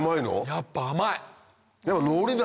やっぱ甘い！